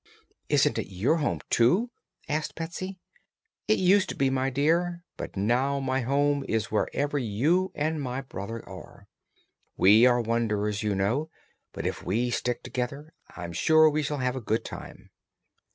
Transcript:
"Isn't it your home, too?" asked Betsy. "It used to be, my dear; but now my home is wherever you and my brother are. We are wanderers, you know, but if we stick together I am sure we shall have a good time."